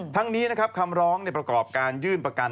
ทั้งนี้นะครับคำร้องในประกอบการยื่นประกัน